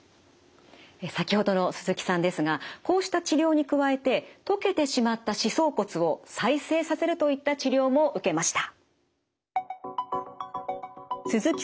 先ほどの鈴木さんですがこうした治療に加えて溶けてしまった歯槽骨を再生させるといった治療も受けました。